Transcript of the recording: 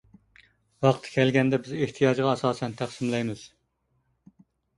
ۋاقتى كەلگەندە بىز ئېھتىياجغا ئاساسەن تەقسىملەيمىز.